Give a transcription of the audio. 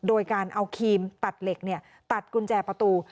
โดยการเอาครีมตัดเหล็กตัดกุญแจประตู